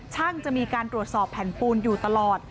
จะมีการตรวจสอบแผ่นปูนอยู่ตลอด